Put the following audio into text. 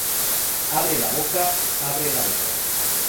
abre la boca. abre la boca.